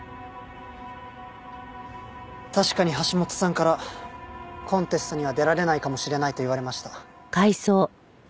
確かに橋本さんからコンテストには出られないかもしれないと言われました。